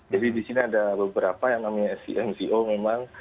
jadi di sini ada beberapa yang namanya si mco memang